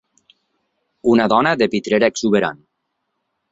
Una dona de pitrera exuberant.